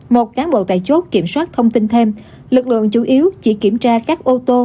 một cán bộ tại chốt kiểm soát thông tin thêm lực lượng chủ yếu chỉ kiểm tra các ô tô